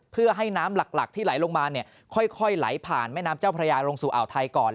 เพื่อให้น้ำหลักที่ไหลลงมาค่อยไหลผ่านแม่น้ำเจ้าพระยาลงสู่อ่าวไทยก่อน